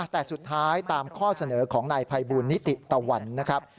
แต่สุดท้ายตามข้อเสนอของนายภัยบูลนิติตะวันนะครับ